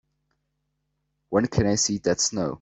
when can I see Dead Snow